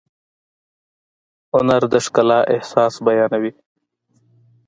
هنر د ښکلا احساس بیانوي.